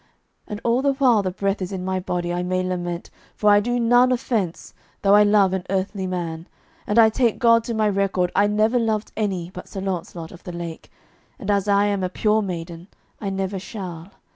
And all the while the breath is in my body I may lament, for I do none offence, though I love an earthly man, and I take God to my record I never loved any but Sir Launcelot of the Lake, and as I am a pure maiden I never shall.